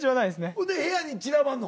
ほんで部屋に散らばんの？